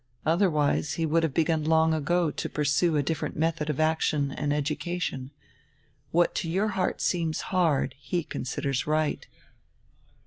Otherwise he would have begun long ago to pursue a different method of action and education. What to your heart seems hard he considers right."